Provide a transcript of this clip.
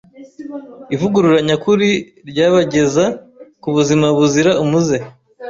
ivugurura nyakuri ryabageza ku buzima buzira umuze.